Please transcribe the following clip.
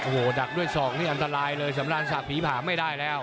โอ้โหดักด้วยศอกนี่อันตรายเลยสำราญศักดิผ่าไม่ได้แล้ว